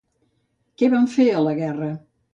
Què van fer a la guerra?